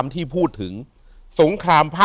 อยู่ที่แม่ศรีวิรัยิลครับ